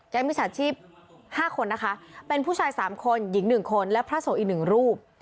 แกล้งมิจฉาชีพห้าคนนะคะเป็นผู้ชายสามคนหญิงหนึ่งคนและพระสวงศ์อีกหนึ่งรูป